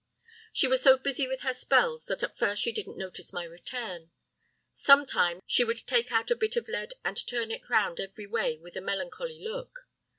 She was so busy with her spells that at first she didn't notice my return. Sometimes she would take out a bit of lead and turn it round every way with a melancholy look.